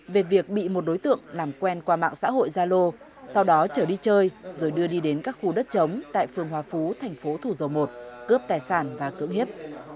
về việc bị một đối tượng làm quen qua mạng xã hội gia lô sau đó trở đi chơi rồi đưa đi đến các khu đất chống tại phương hòa phú thành phố thủ dầu một cướp tài sản và cưỡng hiếp